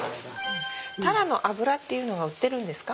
タラの油っていうのが売ってるんですか？